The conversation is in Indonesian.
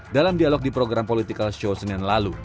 dalam dialog di program political show senin lalu